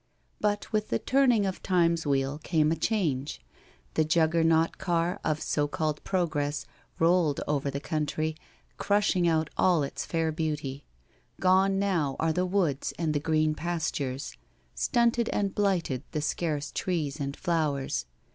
But with the turning of Time's wheel came a change. The Juggernaut car of so called progress rolled over that country, crushing out all its fair beauty. Gone now are the woods and the green pastures. Stunted and blighted the scarce trees and flowers.